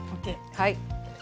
はい。